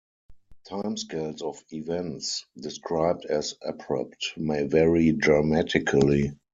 Timescales of events described as 'abrupt' may vary dramatically.